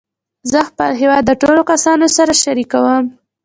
زه خپل هېواد د ټولو کسانو سره شریکوم.